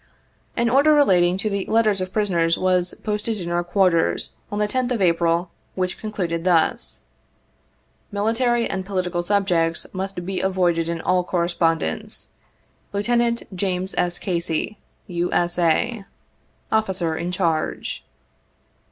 An order relating to the letters of prisoners was posted in our quarters, on the 10th of April, which concluded thus :" Military and political subjects must be avoided in all correspon dence. " Lieut. JAMES S. CASEY, U. S. A. " Officer in Charge.''